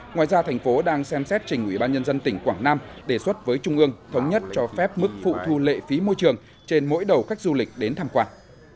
ngoài ra thành phố đang xem xét trình ủy ban nhân dân tỉnh quảng nam đề xuất với trung ương thống nhất cho phép mức phụ thu lệ phí môi trường trên mỗi đầu khách du lịch đến tham quan